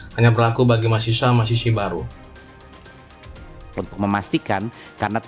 hanya berlaku bagi mahasiswa mahasiswa